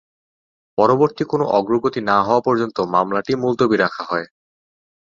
পরবর্তী কোন অগ্রগতি না হওয়া পর্যন্ত মামলাটি মুলতবি রাখা হয়।